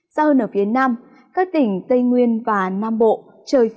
sau hơn ở phía nam các tỉnh tây nguyên và nam bộ